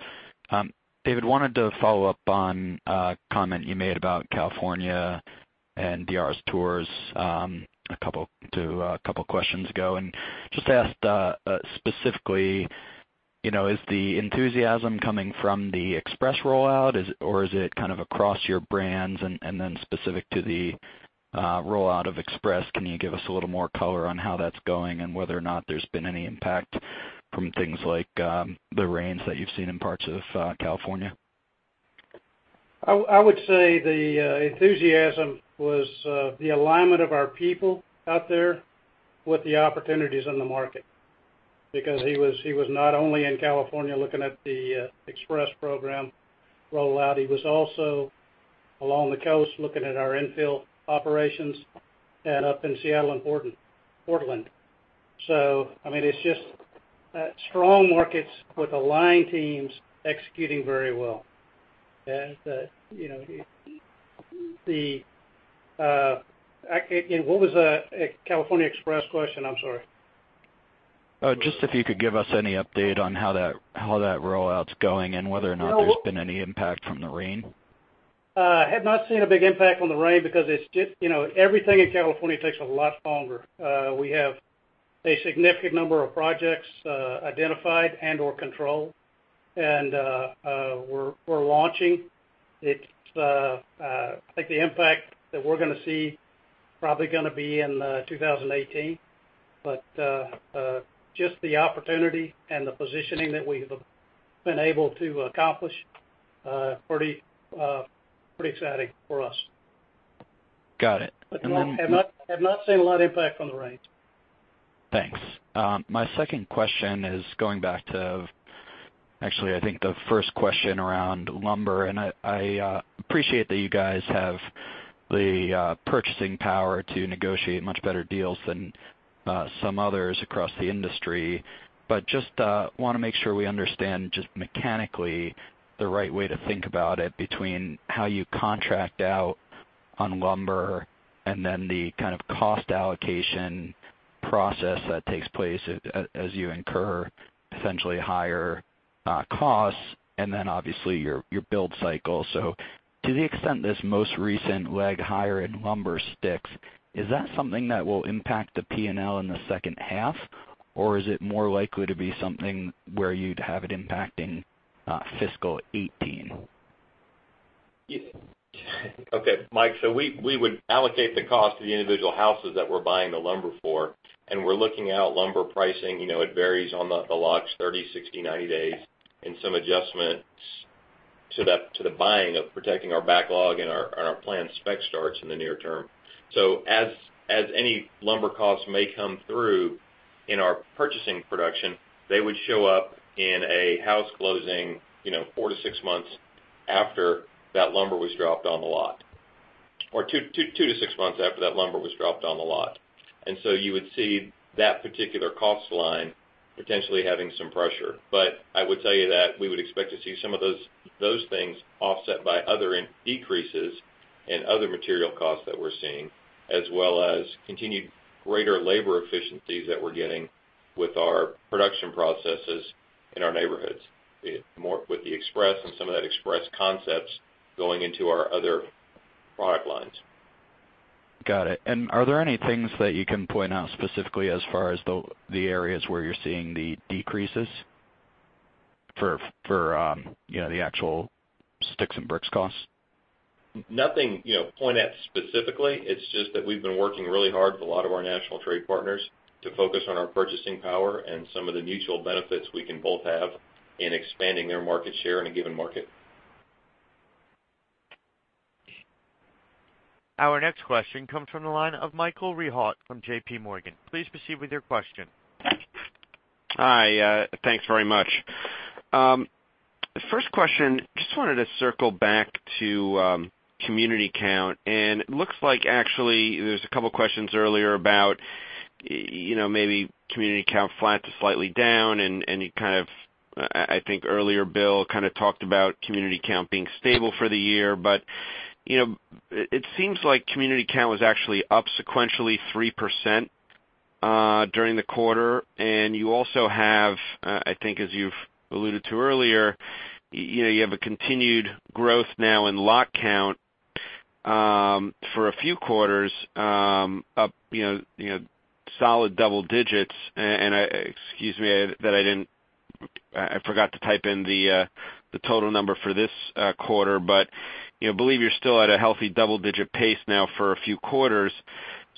David, wanted to follow up on a comment you made about California and D.R.'s tours to a couple questions ago and just ask specifically, is the enthusiasm coming from the Express rollout, or is it kind of across your brands? Then specific to the rollout of Express, can you give us a little more color on how that's going and whether or not there's been any impact from things like the rains that you've seen in parts of California? I would say the enthusiasm was the alignment of our people out there with the opportunities in the market because he was not only in California looking at the Express program rollout, he was also along the coast looking at our infill operations and up in Seattle and Portland. It's just strong markets with aligned teams executing very well. What was the California Express question? I'm sorry. Just if you could give us any update on how that rollout's going and whether or not there's been any impact from the rain. Have not seen a big impact on the rain because everything in California takes a lot longer. We have a significant number of projects identified and/or controlled, and we're launching. I think the impact that we're going to see, probably going to be in 2018. Just the opportunity and the positioning that we have been able to accomplish, pretty exciting for us. Got it. Have not seen a lot of impact from the rain. Thanks. My second question is going back to, actually, I think the first question around lumber. I appreciate that you guys have the purchasing power to negotiate much better deals than some others across the industry. Just want to make sure we understand just mechanically the right way to think about it between how you contract out on lumber and then the kind of cost allocation process that takes place as you incur essentially higher costs, and then obviously your build cycle. To the extent this most recent leg higher in lumber sticks, is that something that will impact the P&L in the second half? Or is it more likely to be something where you'd have it impacting fiscal 2018? Mike. We would allocate the cost to the individual houses that we're buying the lumber for, and we're looking out lumber pricing. It varies on the lots, 30, 60, 90 days, and some adjustments to the buying of protecting our backlog and our planned spec starts in the near term. As any lumber costs may come through in our purchasing production, they would show up in a house closing, four to six months after that lumber was dropped on the lot, or two to six months after that lumber was dropped on the lot. You would see that particular cost line potentially having some pressure. I would tell you that we would expect to see some of those things offset by other decreases in other material costs that we're seeing, as well as continued greater labor efficiencies that we're getting with our production processes in our neighborhoods, with the Express and some of that Express concepts going into our other product lines. Got it. Are there any things that you can point out specifically as far as the areas where you're seeing the decreases for the actual sticks and bricks costs? Nothing point at specifically. It's just that we've been working really hard with a lot of our national trade partners to focus on our purchasing power and some of the mutual benefits we can both have in expanding their market share in a given market. Our next question comes from the line of Michael Rehaut from J.P. Morgan. Please proceed with your question. Hi, thanks very much. First question, just wanted to circle back to community count. It looks like actually there was a couple of questions earlier about maybe community count flat to slightly down, and you kind of, I think earlier Bill kind of talked about community count being stable for the year. It seems like community count was actually up sequentially 3% during the quarter, and you also have, I think as you've alluded to earlier, you have a continued growth now in lot count for a few quarters up solid double digits. Excuse me that I forgot to type in the total number for this quarter, but believe you're still at a healthy double-digit pace now for a few quarters.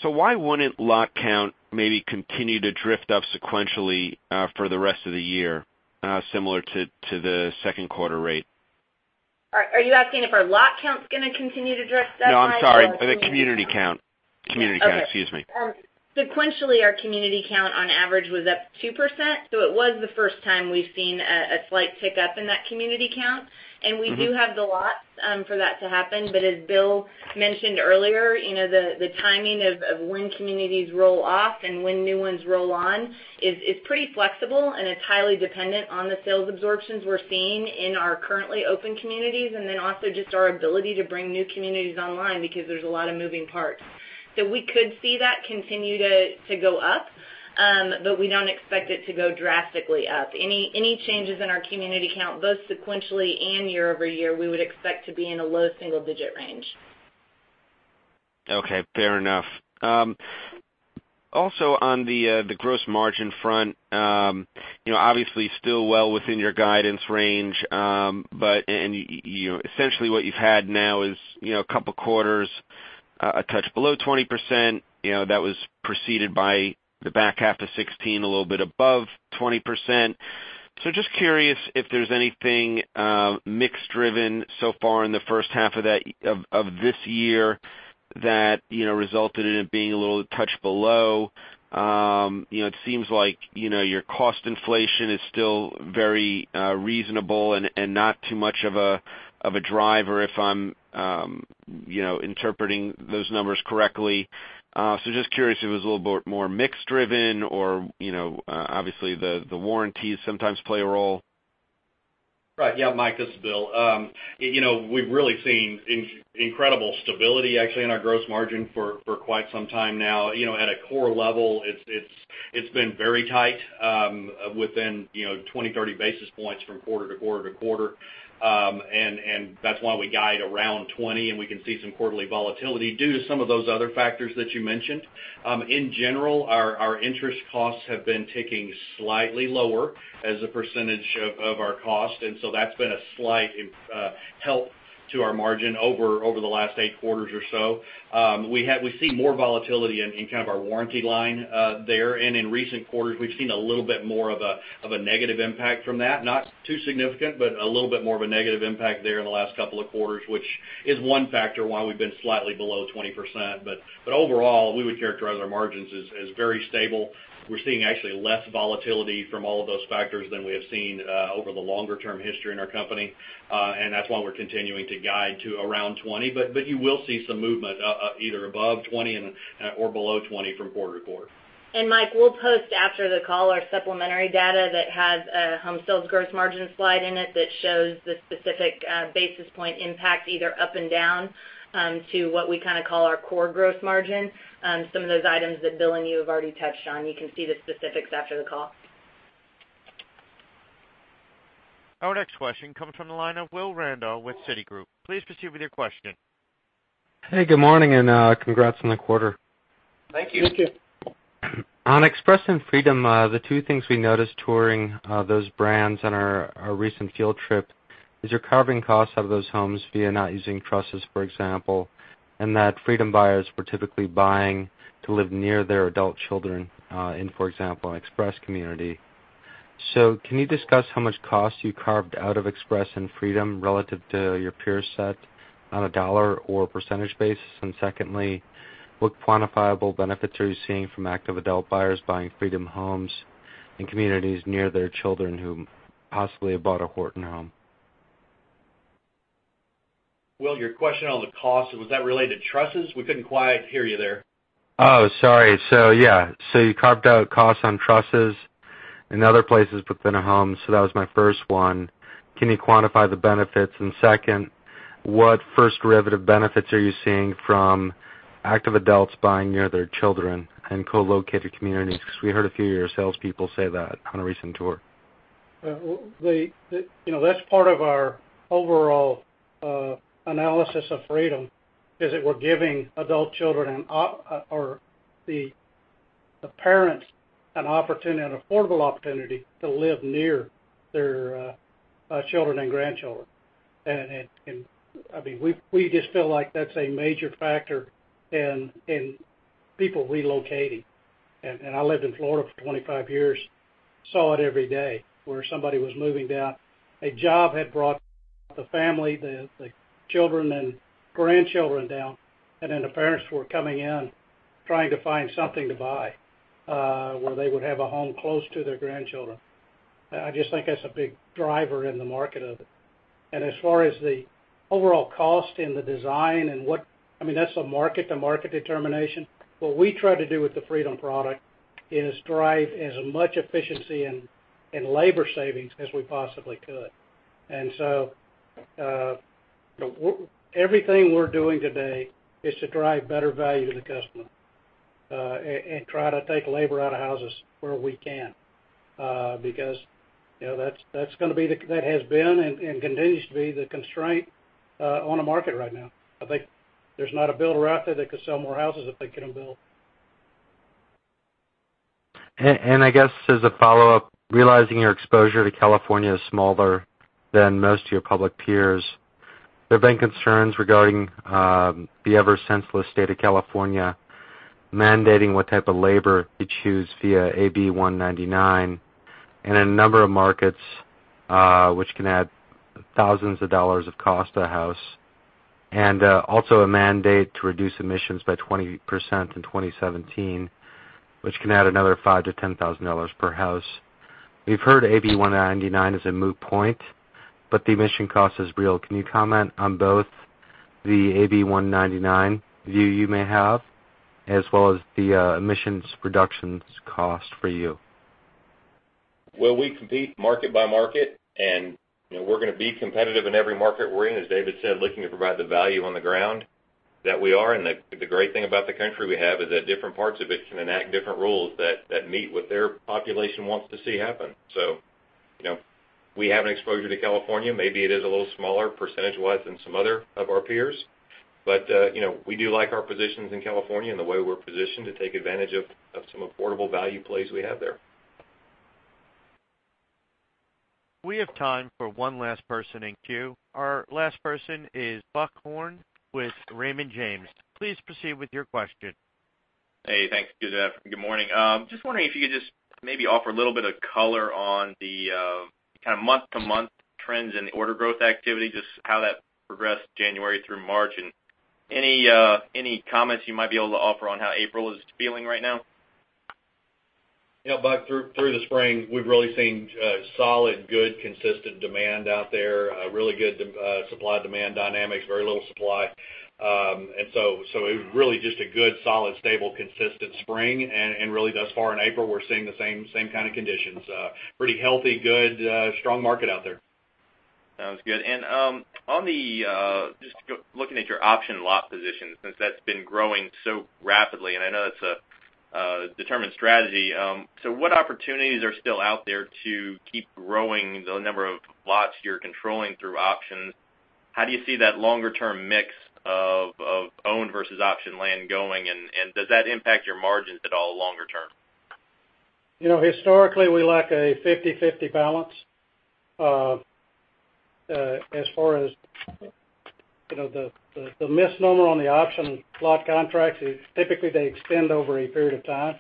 Why wouldn't lot count maybe continue to drift up sequentially for the rest of the year similar to the second quarter rate? Are you asking if our lot count's going to continue to drift up, Mike? No, I'm sorry. The community count. Excuse me. Okay. Sequentially, our community count on average was up 2%. It was the first time we've seen a slight tick up in that community count, and we do have the lots for that to happen. As Bill mentioned earlier, the timing of when communities roll off and when new ones roll on is pretty flexible, and it's highly dependent on the sales absorptions we're seeing in our currently open communities. Also just our ability to bring new communities online because there's a lot of moving parts. We could see that continue to go up, but we don't expect it to go drastically up. Any changes in our community count, both sequentially and year-over-year, we would expect to be in a low single-digit range. Okay, fair enough. Also, on the gross margin front, obviously still well within your guidance range. But essentially, what you've had now is a couple of quarters a touch below 20%. That was preceded by the back half of 2016, a little bit above 20%. Just curious if there's anything mix-driven so far in the first half of this year that resulted in it being a little touch below. It seems like your cost inflation is still very reasonable and not too much of a driver if I'm interpreting those numbers correctly. Just curious if it was a little bit more mix-driven or obviously the warranties sometimes play a role. Right. Yeah, Mike, this is Bill. We've really seen incredible stability, actually, in our gross margin for quite some time now. At a core level, it's been very tight, within 20, 30 basis points from quarter to quarter to quarter. That's why we guide around 20, and we can see some quarterly volatility due to some of those other factors that you mentioned. In general, our interest costs have been ticking slightly lower as a percentage of our cost, and that's been a slight help to our margin over the last eight quarters or so. We see more volatility in kind of our warranty line there. In recent quarters, we've seen a little bit more of a negative impact from that. Not too significant, but a little bit more of a negative impact there in the last couple of quarters, which is one factor why we've been slightly below 20%. Overall, we would characterize our margins as very stable. We're seeing actually less volatility from all of those factors than we have seen over the longer-term history in our company. That's why we're continuing to guide to around 20. You will see some movement, either above 20 or below 20 from quarter to quarter. Mike, we'll post after the call our supplementary data that has a home sales gross margin slide in it that shows the specific basis point impact, either up and down, to what we kind of call our core gross margin. Some of those items that Bill and you have already touched on, you can see the specifics after the call. Our next question comes from the line of Will Randall with Citigroup. Please proceed with your question. Hey, good morning, congrats on the quarter. Thank you. Thank you. On Express and Freedom, the two things we noticed touring those brands on our recent field trip is you're carving costs out of those homes via not using trusses, for example, and that Freedom buyers were typically buying to live near their adult children in, for example, an Express community. Can you discuss how much cost you carved out of Express and Freedom relative to your peer set on a dollar or percentage basis? Secondly, what quantifiable benefits are you seeing from active adult buyers buying Freedom homes in communities near their children who possibly have bought a D.R. Horton home? Will, your question on the cost, was that related to trusses? We couldn't quite hear you there. Oh, sorry. Yeah. You carved out costs on trusses and other places within a home, so that was my first one. Can you quantify the benefits? Second, what first derivative benefits are you seeing from active adults buying near their children in co-located communities? We heard a few of your salespeople say that on a recent tour. That's part of our overall analysis of Freedom, is that we're giving adult children, or the parents, an affordable opportunity to live near their children and grandchildren. We just feel like that's a major factor in people relocating. I lived in Florida for 25 years, saw it every day, where somebody was moving down. A job had brought the family, the children, and grandchildren down, then the parents were coming in, trying to find something to buy, where they would have a home close to their grandchildren. I just think that's a big driver in the market of it. As far as the overall cost in the design, that's a market-to-market determination. What we try to do with the Freedom product is drive as much efficiency and labor savings as we possibly could. Everything we're doing today is to drive better value to the customer, and try to take labor out of houses where we can. Because that has been, and continues to be, the constraint on the market right now. I think there's not a builder out there that could sell more houses if they couldn't build. I guess as a follow-up, realizing your exposure to California is smaller than most of your public peers, there've been concerns regarding the ever-senseless state of California mandating what type of labor you choose via AB 199 in a number of markets, which can add thousands of dollars of cost to a house. Also a mandate to reduce emissions by 20% in 2017, which can add another $5,000-$10,000 per house. We've heard AB 199 is a moot point, but the emission cost is real. Can you comment on both the AB 199 view you may have, as well as the emissions reductions cost for you? We compete market by market, we're going to be competitive in every market we're in, as David said, looking to provide the value on the ground that we are. The great thing about the country we have is that different parts of it can enact different rules that meet what their population wants to see happen. We have an exposure to California. Maybe it is a little smaller percentage-wise than some other of our peers. We do like our positions in California and the way we're positioned to take advantage of some affordable value plays we have there. We have time for one last person in queue. Our last person is Buck Horne with Raymond James. Please proceed with your question. Hey, thanks. Good morning. Just wondering if you could just maybe offer a little bit of color on the kind of month-to-month trends in the order growth activity, just how that progressed January through March, and any comments you might be able to offer on how April is feeling right now? Yeah, Buck, through the spring, we've really seen solid, good, consistent demand out there. Really good supply-demand dynamics, very little supply. It was really just a good, solid, stable, consistent spring. Really thus far in April, we're seeing the same kind of conditions. A pretty healthy, good, strong market out there. Sounds good. Just looking at your option lot position, since that's been growing so rapidly, and I know that's a determined strategy, what opportunities are still out there to keep growing the number of lots you're controlling through options? How do you see that longer-term mix of owned versus option land going, does that impact your margins at all longer term? Historically, we lack a 50/50 balance. As far as the misnomer on the option lot contracts is typically they extend over a period of time,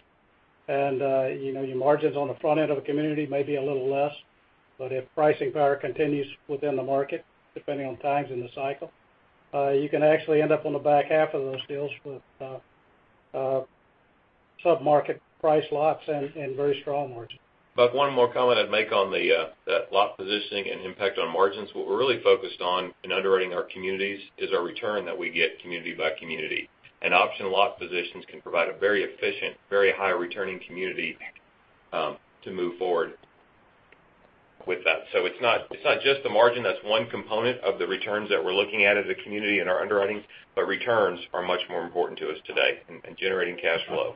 and your margins on the front end of a community may be a little less. If pricing power continues within the market, depending on times in the cycle, you can actually end up on the back half of those deals with sub-market price lots and very strong margins. One more comment I'd make on that lot positioning and impact on margins. What we're really focused on in underwriting our communities is our return that we get community by community. Option lot positions can provide a very efficient, very high returning community to move forward with that. It's not just the margin. That's one component of the returns that we're looking at as a community in our underwriting, returns are much more important to us today, and generating cash flow.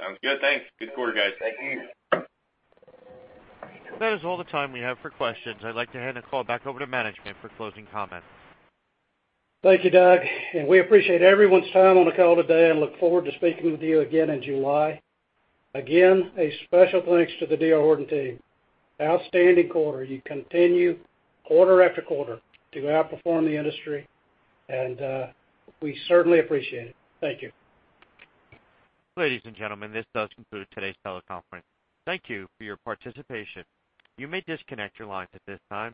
Sounds good. Thanks. Good quarter, guys. Thank you. That is all the time we have for questions. I'd like to hand the call back over to management for closing comments. Thank you, Doug. We appreciate everyone's time on the call today and look forward to speaking with you again in July. Again, a special thanks to the D.R. Horton team. Outstanding quarter. You continue quarter after quarter to outperform the industry, and we certainly appreciate it. Thank you. Ladies and gentlemen, this does conclude today's teleconference. Thank you for your participation. You may disconnect your lines at this time.